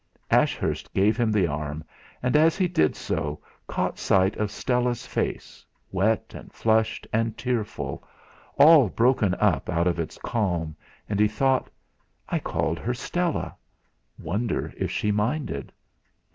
Ashurst gave him the arm, and as he did so caught sight of Stella's face, wet and flushed and tearful, all broken up out of its calm; and he thought: 'I called her Stella! Wonder if she minded?'